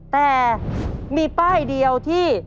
แต่มีป้ายเดียวที่